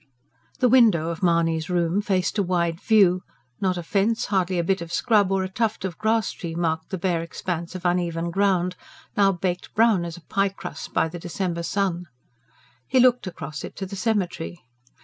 The window of Mahony's room faced a wide view: not a fence, hardly a bit of scrub or a tuft of grass tree marked the bare expanse of uneven ground, now baked brown as a piecrust by the December sun. He looked across it to the cemetery.